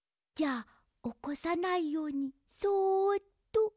じゃあおこさないようにそっと。